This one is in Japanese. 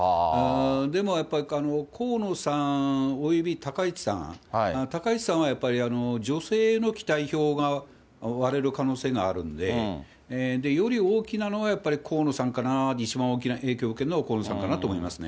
でもやっぱり、河野さんおよび高市さん、高市さんはやっぱり女性の期待票が割れる可能性があるんで、より大きなのは、河野さんかな、一番大きな影響を受けるのは河野さんかなと思いますね。